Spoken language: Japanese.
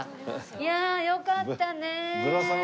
いやあよかったね！